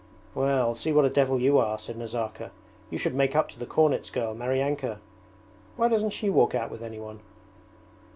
'Well, see what a devil you are!' said Nazarka. 'You should make up to the cornet's girl, Maryanka. Why doesn't she walk out with any one?'